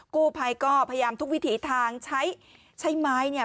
กู้ภัยก็พยายามทุกวิถีทางใช้ใช้ไม้เนี่ย